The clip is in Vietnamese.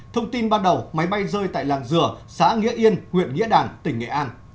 thông tin ban đầu máy bay rơi tại làng dừa xã nghĩa yên huyện nghĩa đàn tỉnh nghệ an